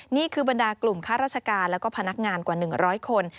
นี่คือบรรดากลุ่มข้าราชการแล้วก็พนักงานกว่า๑๐๐คน